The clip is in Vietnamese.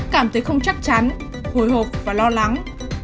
cảm thấy không chắc chắn hồi hộp và lo lắng